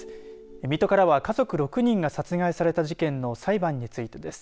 水戸からは家族６人が殺害された事件の裁判についてです。